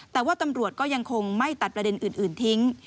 แต่ว่าตำรวจก็ยังคงไม่ตัดประเด็นอื่นทิ้ง